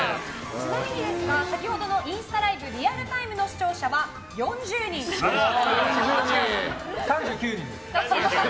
ちなみに、先ほどのインスタライブリアルタイムの視聴者は３９人です。